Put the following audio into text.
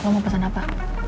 lo mau pesan apa